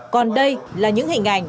còn đây là những hình ảnh